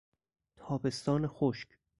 تابستان خشک